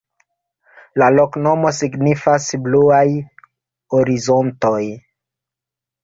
La loknomo signifas: bluaj horizontoj.